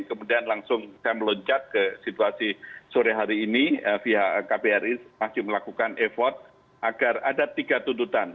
kemudian langsung saya meloncat ke situasi sore hari ini pihak kbri masih melakukan effort agar ada tiga tuntutan